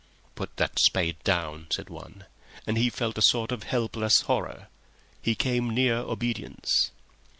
"Put that spade down," said one, and he felt a sort of helpless horror. He came near obedience.